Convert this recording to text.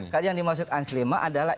etika yang dimaksud mas silema adalah